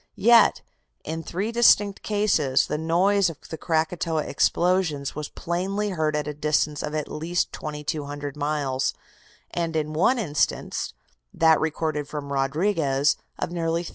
Yet, in three distinct cases, the noise of the Krakatoa explosions was plainly heard at a distance of at least 2,200 miles, and in one instance that recorded from Rodriguez of nearly 3,000.